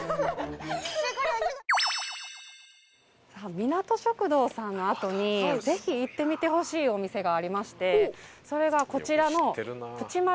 みなと食堂さんのあとにぜひ行ってみてほしいお店がありましてそれがこちらのプチマルさん。